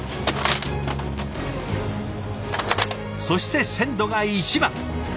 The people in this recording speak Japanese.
そして鮮度が一番。